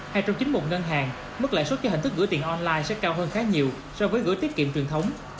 hay trong chính một ngân hàng mức lãi suất cho hình thức gửi tiền online sẽ cao hơn khá nhiều so với gửi tiết kiệm truyền thống